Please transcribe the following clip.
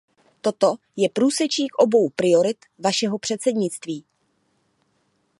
Toto je průsečík obou priorit vašeho předsednictví.